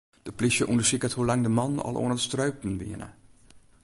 De plysje ûndersiket hoe lang de mannen al oan it streupen wiene.